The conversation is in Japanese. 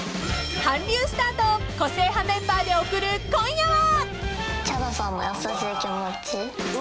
［韓流スターと個性派メンバーで送る今夜は］